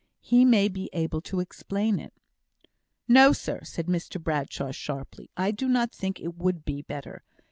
He may be able to explain it." "No, sir!" said Mr Bradshaw, sharply. "I do not think it would be better.